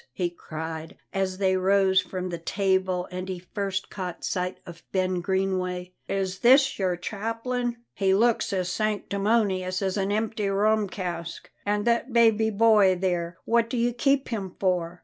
he cried, as they rose from the table and he first caught sight of Ben Greenway. "Is this your chaplain? He looks as sanctimonious as an empty rum cask. And that baby boy there, what do you keep him for?